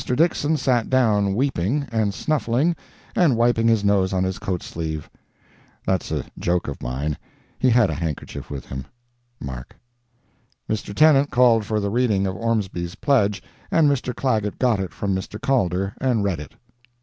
Dixson sat down weeping, and snuffling, and wiping his nose on his coat sleeve. [That's a joke of mine—he had a handkerchief with him.—MARK.] Mr. Tennant called for the reading of Ormsby's pledge, and Mr. Clagett got it from Mr. Calder, and read it.